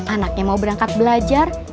anaknya mau berangkat belajar